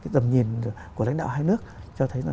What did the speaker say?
tầm nhìn của lãnh đạo hai nước cho thấy